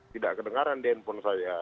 tidak kedengaran di handphone saya